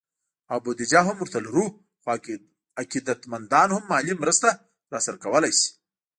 او بودیجه هم ورته لرو، خو عقیدت مندان هم مالي مرسته راسره کولی شي